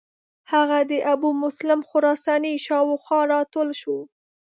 هغه د ابومسلم خراساني شاو خوا را ټول شو.